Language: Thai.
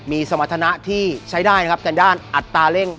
มีสมรรถนะที่ใช้ได้นะครับแต่ด้านอัตราเร่ง